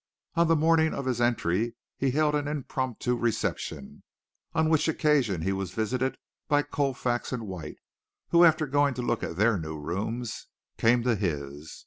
On the morning of his entry he held an impromptu reception, on which occasion he was visited by Colfax and White, who after going to look at their new rooms, came to his.